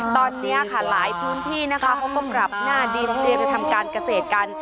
ตอนนี้ค่ะหลายพื้นที่นะคะเขาก็ปรับหน้าดินเตรียมจะทำการเกษตรกัน